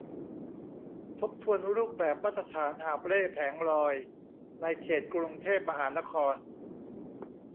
ทบทวนรูปแบบมาตรฐานหาบเร่แผงลอยในเขตกรุงเทพมหานคร